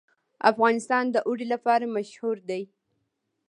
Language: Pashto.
افغانستان د اوړي لپاره مشهور دی.